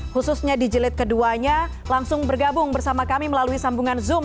khususnya di jelit keduanya langsung bergabung bersama kami melalui sambungan zoom